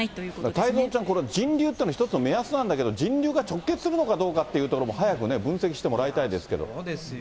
太蔵ちゃん、これ、人流というのは、一つの目安なんだけど、人流が直結するのかどうかというところも早くね、分析してもらいそうですよ。